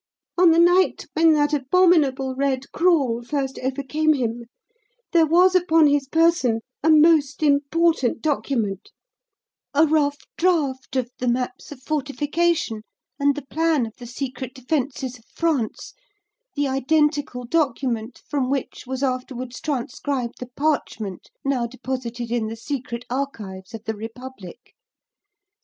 On the night when that abominable 'Red Crawl' first overcame him, there was upon his person a most important document a rough draft of the maps of fortification and the plan of the secret defences of France, the identical document from which was afterwards transcribed the parchment now deposited in the secret archives of the Republic.